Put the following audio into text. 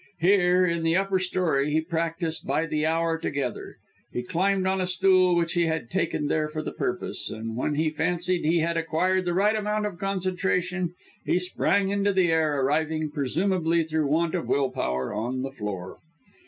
Here, in the upper storey, he practised by the hour together. He climbed on to a stool which he had taken there for the purpose, and when he fancied he had acquired the right amount of concentration, he sprang into the air, arriving, presumably through want of will power, on the floor.